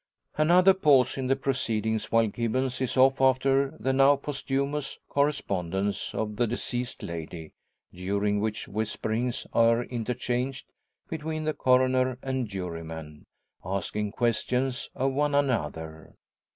Another pause in the proceedings while Gibbons is off after the now posthumous correspondence of the deceased lady, during which whisperings are interchanged between the Coroner and jurymen, asking questions of one another.